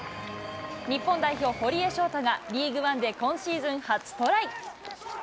日本代表、堀江翔太がリーグワンで今シーズン初トライ。